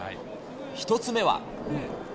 １つ目は。